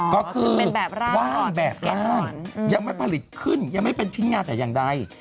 ก็คือว่างแบบร่างยังไม่ผลิตขึ้นยังไม่เป็นชิ้นงานแต่อย่างใด